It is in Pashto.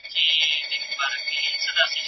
خندا د ټولنیزو اړیکو د پیاوړتیا وسیله ده.